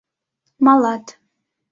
— Малат...